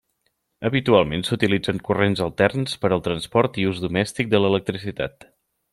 Habitualment, s'utilitzen corrents alterns per al transport i ús domèstic de l'electricitat.